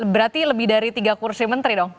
berarti lebih dari tiga kursi menteri dong